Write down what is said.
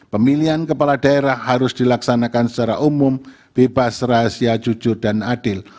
pemilihan kepala daerah harus dilaksanakan secara umum bebas rahasia jujur dan adil